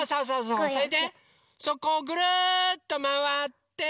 それでそこをぐるっとまわって。